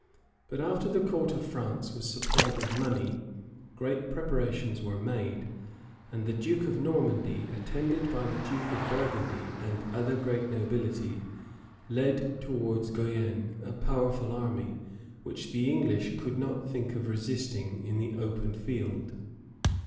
But after the court of France was supplied with money, great preparations were made: and the duke of Normandy, attended by the duke of Burgundy and other great nobility, led towards Guienne a powerful army, which the English could not think of resisting in the open field.